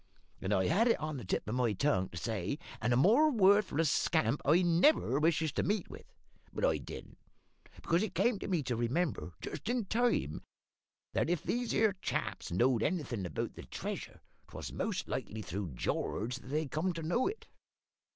And I had it on the tip of my tongue to say, `And a more worthless scamp I never wishes to meet with.' But I didn't, because it come to me to remember, just in time, that if these here chaps knowed anything about the treasure, 'twas most likely through George that they'd come to know it.